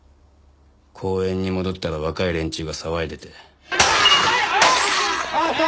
公園に戻ったら若い連中が騒いでて。